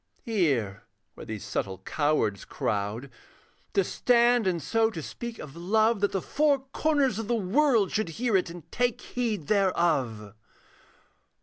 Here, where these subtle cowards crowd, To stand and so to speak of love, That the four corners of the world Should hear it and take heed thereof.